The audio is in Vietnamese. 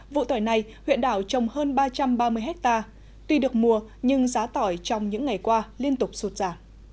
vụ tỏi này huyện đảo trồng hơn ba trăm ba mươi hectare tuy được mùa nhưng giá tỏi trong những ngày qua liên tục sụt giảm